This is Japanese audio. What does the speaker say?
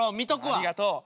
ありがとう。